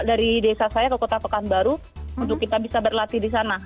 dari desa saya ke kota pekanbaru untuk kita bisa berlatih di sana